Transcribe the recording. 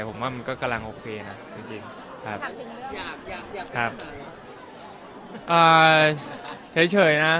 ผมว่ามันก็กำลังโอเคนะจริงจริงครับครับเอ่อเฉยเฉยน่ะ